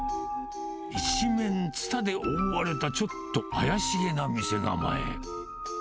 一面つたで覆われたちょっと怪しげな店構え。